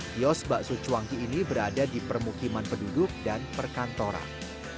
kios bakso cuangki ini berada di permukiman penduduk dan perkantoran